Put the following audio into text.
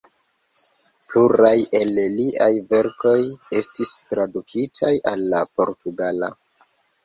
Pluraj el liaj verkoj estis tradukitaj al la portugala.